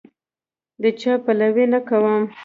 د چا پلوی نه کوم.